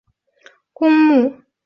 赖歇瑙被葬于柏林荣军公墓。